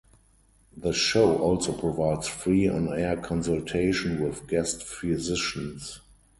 The show also provides free on-air consultation with guest physicians.